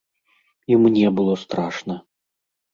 І мне было страшна!